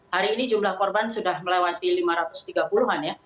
hari ini jumlah korban sudah melewati lima ratus tiga puluh an ya